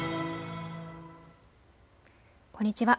こんにちは。